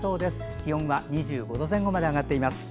気温は２５度前後まで上がっています。